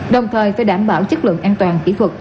đồng thời phải đảm bảo chất lượng an toàn kỹ thuật